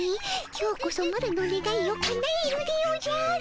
今日こそマロのねがいをかなえるでおじゃる。